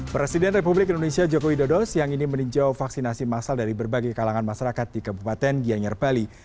presiden republik indonesia joko widodo siang ini meninjau vaksinasi masal dari berbagai kalangan masyarakat di kabupaten gianyar bali